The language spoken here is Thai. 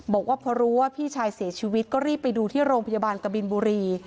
บอกว่าพอรู้ว่าพี่ชายเสียชีวิตก็รีบไปดูที่โรงพยาบาลกบินบุรี